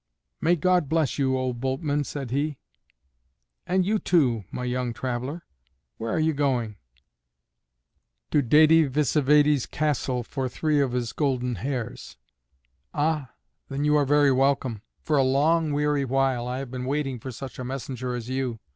"May God bless you, old boatman," said he. "And you, too, my young traveler. Where are you going?" "To Dède Vsévède's castle for three of his golden hairs." "Ah, then you are very welcome. For a long weary while I have been waiting for such a messenger as you.